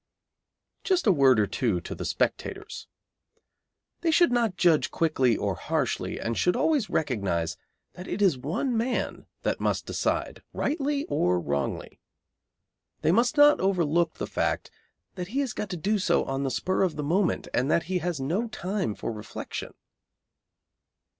Just a word or two to the spectators. They should not judge quickly or harshly, and should always recognise that it is one man that must decide, rightly or wrongly. They must not overlook the fact that he has got to do so on the spur of the moment, and that he has no time for reflection.